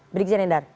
beri kejadian endar